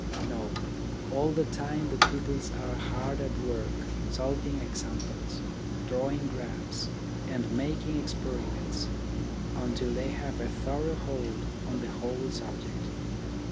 No; all the time the pupils are hard at work solving examples, drawing graphs, and making experiments, until they have a thorough hold on the whole subject.